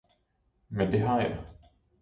Men det har jeg!